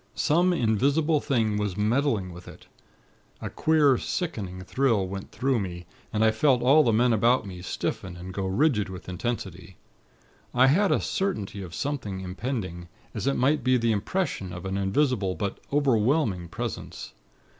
Some invisible thing was meddling with it. A queer, sickening thrill went through me, and I felt all the men about me, stiffen and go rigid with intensity. I had a certainty of something impending: as it might be the impression of an invisible, but overwhelming, Presence.